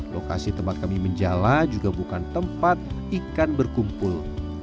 lokasi tempat kami menjala juga bukan tempat ikan berkumpul